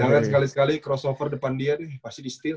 jangan sekali kali crossover depan dia nih pasti di steal